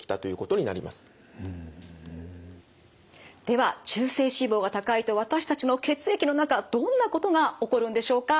では中性脂肪が高いと私たちの血液の中どんなことが起こるんでしょうか？